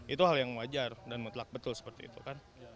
itu hal yang wajar dan mutlak betul seperti itu kan